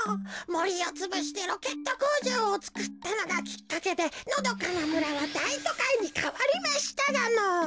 もりをつぶしてロケットこうじょうをつくったのがきっかけでのどかなむらはだいとかいにかわりましたがのぉ。